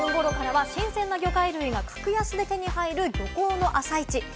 ９時２５分頃からは新鮮な魚介類が格安で手に入る漁港の朝市。